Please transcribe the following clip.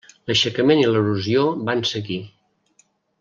L'aixecament i l'erosió van seguir.